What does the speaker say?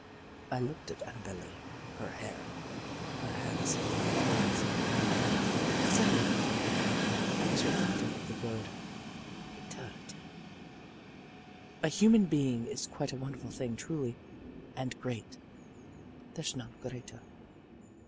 I looked at Annabel Lee, her hair, her hands and her eyes. As I looked, I was reminded of the word "eternity." A human being is a quite wonderful thing, truly and great there's none greater.